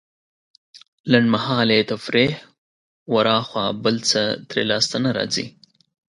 لنډمهالې تفريح وراخوا بل څه ترې لاسته نه راځي.